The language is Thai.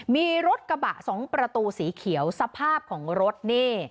มีรถกระบะ๒ประตูสีเขียวสภาพของรถนี่